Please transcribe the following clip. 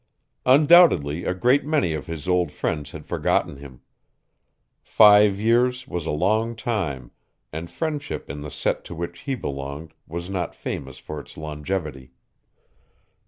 Undoubtedly a great many of his old friends had forgotten him. Five years was a long time, and friendship in the set to which he belonged was not famous for its longevity.